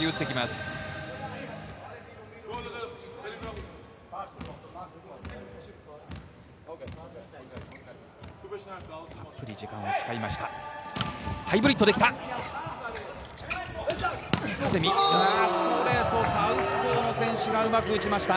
たっぷり時間を使いました。